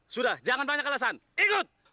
sudah jangan banyak alasan ikut